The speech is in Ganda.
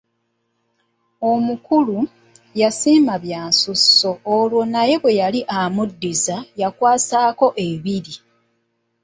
Omukulu yasiima bya nsusso olwo naye bwe yali amuddiza yakwasaako ebiri.